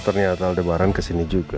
ternyata aldebaran kesini juga